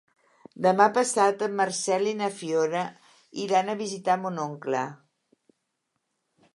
Demà passat en Marcel i na Fiona iran a visitar mon oncle.